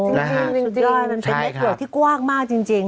อ๋อจริงสุดยอดเป็นเล็กหมอลที่กว้างมากจริง